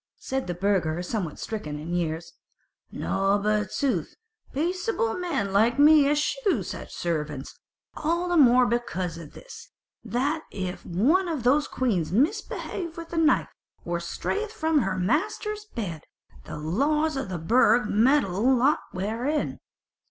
Said a burgher somewhat stricken in years, "Nought but sooth; peaceable men like to me eschew such servants; all the more because of this, that if one of these queens misbehave with the knife, or strayeth from her master's bed, the laws of the Burg meddle not therein.